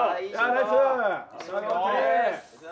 ナイス。